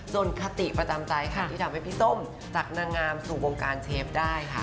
คติประจำใจค่ะที่ทำให้พี่ส้มจากนางงามสู่วงการเชฟได้ค่ะ